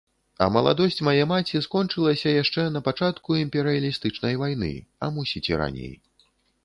А маладосць мае маці скончылася яшчэ на пачатку імперыялістычнай вайны, а мусіць і раней.